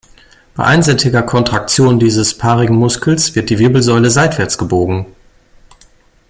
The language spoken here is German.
Bei einseitiger Kontraktion dieses paarigen Muskels wird die Wirbelsäule seitwärts gebogen.